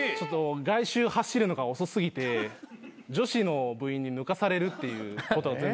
外周走るのが遅過ぎて女子の部員に抜かされるっていうことが全然あって。